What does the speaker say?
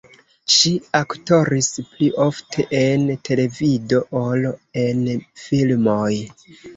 Ŝi aktoris pli ofte en televido ol en filmoj.